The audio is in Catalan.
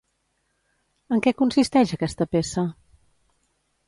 En què consisteix aquesta peça?